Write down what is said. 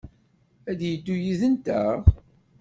Ad d-yeddu yid-nteɣ?